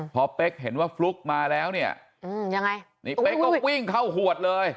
พอเป๊กเห็นว่าฟลุ๊กมาแล้วเนี่ยยังไงนี่เป๊กก็วิ่งเข้าหวดเลย